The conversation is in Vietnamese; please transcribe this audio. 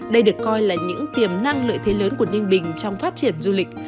đây được coi là những tiềm năng lợi thế lớn của ninh bình trong phát triển du lịch